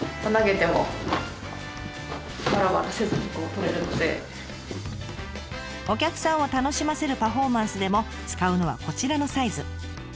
お客さんを楽しませるパフォーマンスでも使うのはこちらのサイズ。